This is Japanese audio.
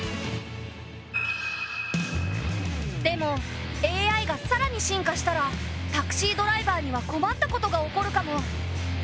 でもＡＩがさらに進化したらタクシードライバーには困ったことが起こるかも。